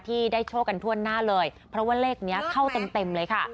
ที่ได้โชคกันทั่วหน้าเลยเพราะว่าเลขนี้เข้าเต็มเต็มเลยค่ะ